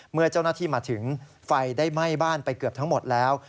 เมื่อเจ้าหน้าที่มาถึงไฟได้ไหม้บ้านไปเกือบทั้งหมดแล้ว